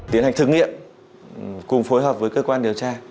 tiến hành thử nghiệm cùng phối hợp với cơ quan điều tra